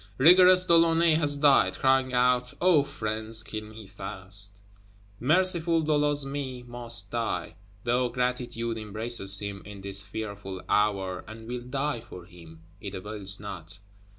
Rigorous De Launay has died; crying out, "O friends, kill me fast!" Merciful De Losme must die; though Gratitude embraces him, in this fearful hour, and will die for him, it avails not.